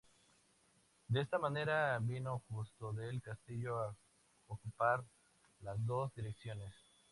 De esta manera vino Justo del Castillo a ocupar las dos direcciones.